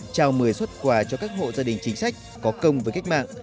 trao một mươi xuất quà cho các hộ gia đình chính sách có công với cách mạng